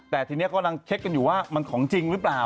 แต่ทีนี้กำลังเช็คกันอยู่ว่ามันของจริงหรือเปล่า